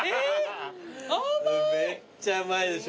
めっちゃ甘いでしょ。